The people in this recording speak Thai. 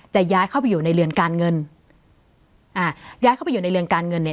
จะย้ายเข้าไปอยู่ในเรือนการเงินอ่าย้ายเข้าไปอยู่ในเรือนการเงินเนี่ย